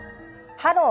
「ハロー！